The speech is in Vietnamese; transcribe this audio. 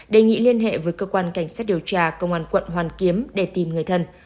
đề nghị liên hệ với cơ quan cảnh sát điều tra công an quận hoàn kiếm để tìm người thân